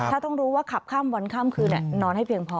ถ้าต้องรู้ว่าขับข้ามวันข้ามคืนนอนให้เพียงพอ